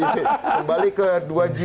kembali ke dua g